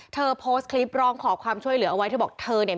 โพสต์คลิปร้องขอความช่วยเหลือเอาไว้เธอบอกเธอเนี่ย